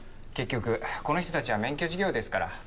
結局この人たちは免許事業ですから。